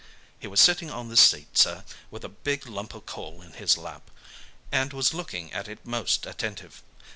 He was sitting on the seat, sir, with a big lump o' coal in his lap, and was a looking at it most attentive.